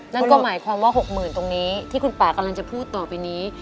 นั่นก็หมายความว่า๖๐๐๐ตรงนี้ที่คุณป่ากำลังจะพูดต่อไปนี้